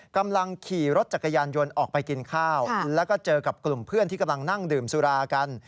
กำลังขี่รถจักรยานยนต์ออกไปกินข้าวแล้วก็เจอกับกลุ่มเพื่อนที่กำลังนั่งดื่มสุรากัน